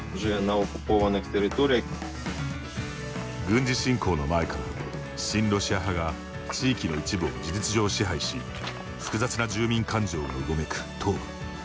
軍事侵攻の前から親ロシア派が地域の一部を事実上支配し複雑な住民感情がうごめく東部。